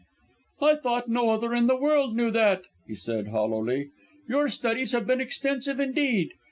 "I thought no other in the world knew that!" he said, hollowly. "Your studies have been extensive indeed.